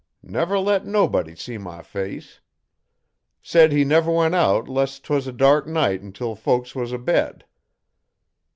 Never let nobody see my face. Said he never went out 'less 'twas a dark night until folks was abed.